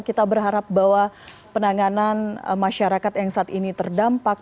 kita berharap bahwa penanganan masyarakat yang saat ini terdampak